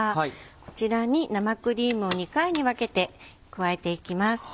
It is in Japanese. こちらに生クリームを２回に分けて加えていきます。